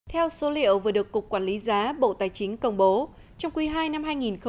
theo số liệu vừa được cục quản lý giá bộ tài chính công bố trong quý ii năm hai nghìn hai mươi